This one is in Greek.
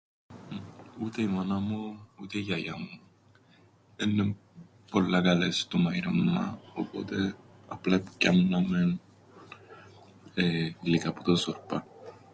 Ούτε η μάνα μου ούτε η γιαγιά μου. Έννεν' πολλά καλές στο μαείρεμμαν, οπότε απλά επιάνναμεν, εεε... γλυκά που τον Ζορπάν.